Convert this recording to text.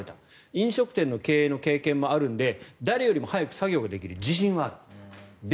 飲食店の経営の経験もあるので誰よりも早く作業ができる自信があったのに。